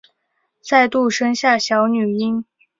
再度生下小女婴